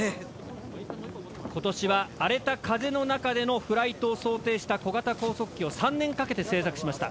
今年は荒れた風の中でのフライトを想定した小型高速機を３年かけて製作しました。